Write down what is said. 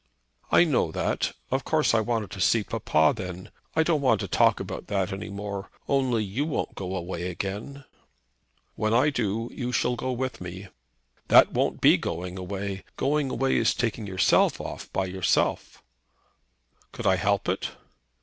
"I know that. Of course I wanted to see papa then. I don't want to talk about that any more. Only, you won't go away again?" "When I do you shall go with me." "That won't be going away. Going away is taking yourself off, by yourself." "Could I help it?"